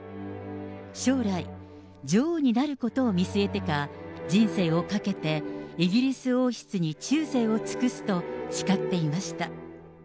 将来、女王になることを見据えてか、人生をかけてイギリス王室に忠誠を尽くすと誓っていました。